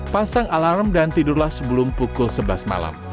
pasang alarm dan tidurlah sebelum pukul sebelas malam